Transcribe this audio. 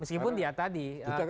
meskipun dia tadi